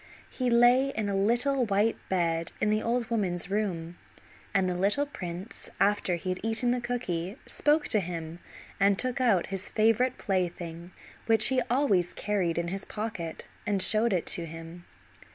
He lay in a little white bed in the old woman's room, and the little prince, after he had eaten the cooky, spoke to him, and took out his favorite plaything, which he always carried in his pocket, and showed it to him.